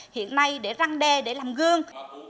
hiện nay để răng đe để làm gương